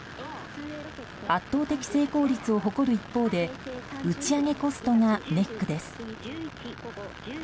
圧倒的成功率を誇る一方で打ち上げコストがネックです。